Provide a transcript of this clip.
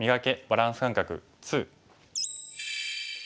バランス感覚２」。